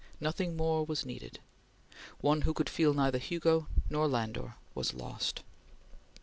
Nothing more was needed. One who could feel neither Hugo nor Landor was lost.